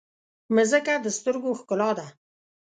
مځکه د سترګو ښکلا ده.